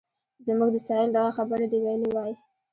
زموږ د سایل دغه خبره دې ویلې وای.